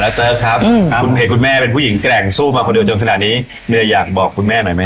เตอร์ครับคุณเห็นคุณแม่เป็นผู้หญิงแกร่งสู้มาคนเดียวจนขนาดนี้เหนื่อยอยากบอกคุณแม่หน่อยไหม